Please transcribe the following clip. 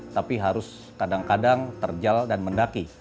tapi harus kadang kadang terjal dan mendaki